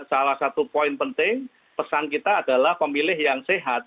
salah satu poin penting pesan kita adalah pemilih yang sehat